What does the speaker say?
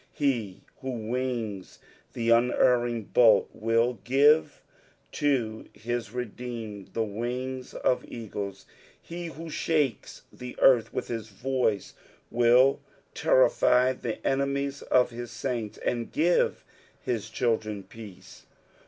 He who wings the unerring bolt, will give to his redeemed the wings ot eagles ; he who shakes the earth with his voice, will terrify the enemies of his saints, and give his children peace.